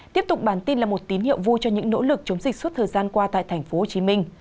tiếp tục bản tin là một tín hiệu vui cho những nỗ lực chống dịch suốt thời gian qua tại tp hcm